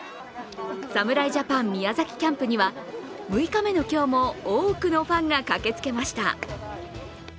侍ジャパン宮崎キャンプには６日目の今日も多くのファンが駆けつけました。